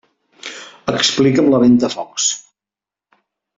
Explica'm la Ventafocs.